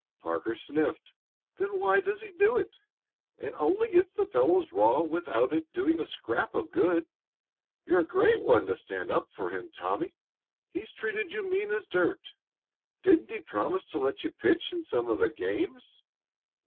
Parker sniffed. "Then why does he do it? It only gets the fellows raw without doing a scrap of good. You're a great one to stand up for him, Tommy! He's treated you mean as dirt. Didn't he promise to let you pitch in some of the games?"